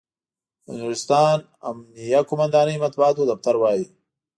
د نورستان امنیه قوماندانۍ مطبوعاتي دفتر وایي،